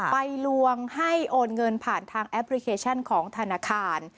ลวงให้โอนเงินผ่านทางแอปพลิเคชันของธนาคาร